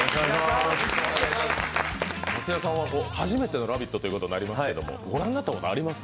松也さんは初めての「ラヴィット！」出演となりますけどご覧になったことありますか？